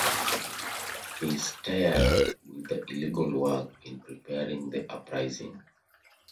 He stared with the illegal work in preparing the uprising.